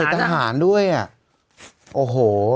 เขตตหารด้วยอ่ะโอ้โห